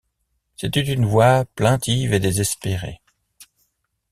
C’était une voix plaintive et désespérée.